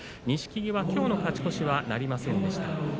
錦木は、きょうの勝ち越しはなりませんでした。